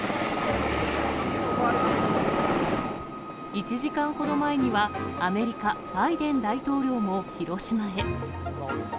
１時間ほど前にはアメリカ、バイデン大統領も広島入り。